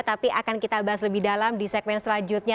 tapi akan kita bahas lebih dalam di segmen selanjutnya